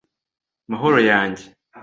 mahoro yanjye